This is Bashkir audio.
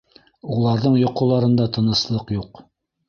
Уларҙың йоҡоларында тыныслыҡ юҡ.